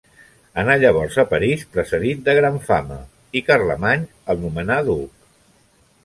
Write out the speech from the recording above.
Anà llavors a París precedit de gran fama i Carlemany el nomenà duc.